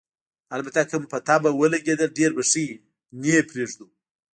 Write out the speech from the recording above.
البته که مو په طبعه ولګېدل، ډېر به ښه وي، نه یې پرېږدو.